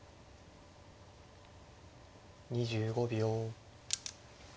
２５秒。